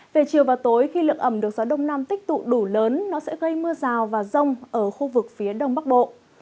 về chiều và tối khi lượng ẩm được gió đông nam tích tụ đủ lớn nó sẽ gây mưa rào và rông ở khu vực phía đông bắc bộ